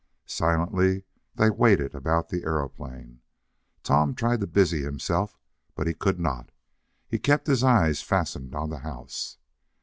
Silently they waited about the aeroplane. Tom tried to busy himself, but he could not. He kept his eyes fastened on the house.